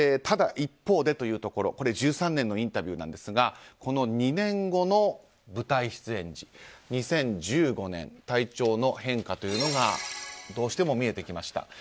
ただ、一方でというところこれ、１３年のインタビューですがこの２年後の舞台出演時２０１５年体調の変化というのがどうしても見えてきました。